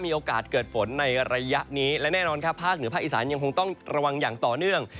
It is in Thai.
มีโอกาสเกิดฝนในระยะนี้และแน่นอนครับภาคเหนือภาคอีสานยังคงต้องระวังอย่างต่อเนื่อง